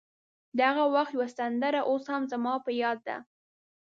د هغه وخت یوه سندره اوس هم زما په یاد ده.